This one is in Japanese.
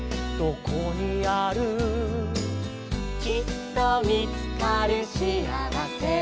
「きっとみつかるシアワセは」